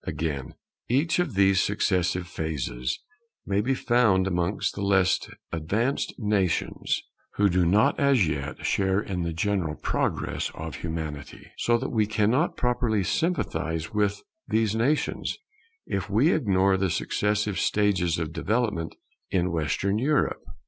Again, each of these successive phases may be found amongst the less advanced nations who do not as yet share in the general progress of Humanity; so that we cannot properly sympathize with these nations, if we ignore the successive stages of development in Western Europe.